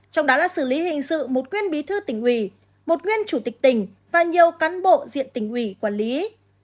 trong đó là xử lý hình sự một nguyên bí thư tỉnh ủy một nguyên chủ tịch tỉnh và nhiều cán bộ diện tỉnh ủy quản lý